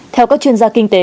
theo các chuyên gia kinh tế